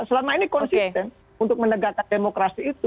selama ini konsisten untuk menegakkan demokrasi itu